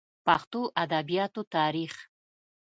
پښتو ادبياتو تاريخ